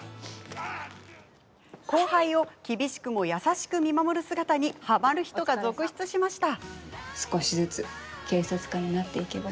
後輩を厳しくも優しく見守る姿にはまる人が続出しました。